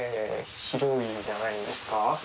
広いんじゃないんですか？